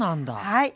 はい。